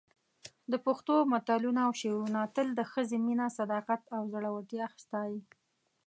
د پښتو متلونه او شعرونه تل د ښځې مینه، صداقت او زړورتیا ستایي.